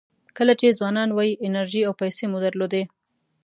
کله چې ځوانان وئ انرژي او پیسې مو درلودې.